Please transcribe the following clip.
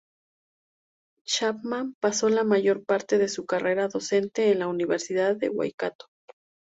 Chapman pasó la mayor parte de su carrera docente en la Universidad de Waikato.